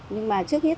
nhưng mà trước nhất